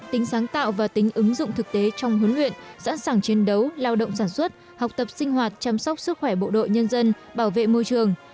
tính sáng tạo và tính ứng dụng thực tế trong huấn luyện sẵn sàng chiến đấu lao động sản xuất học tập sinh hoạt chăm sóc sức khỏe bộ đội nhân dân bảo vệ môi trường